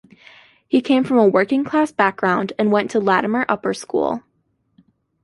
He came from a working-class background and went to Latymer Upper School.